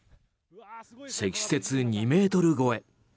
積雪２ｍ超え。